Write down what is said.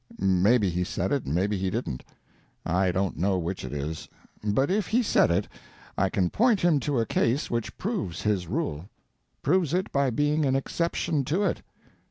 Maybe he said it, maybe he didn't; I don't know which it is. But if he said it, I can point him to a case which proves his rule. Proves it by being an exception to it.